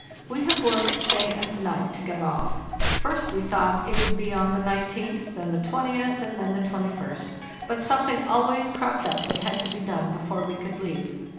We have worked day and night to get off. First we thought it would be on the 19th, then the 20th, and then the 21st, but something always cropped up that had to be done before we could leave.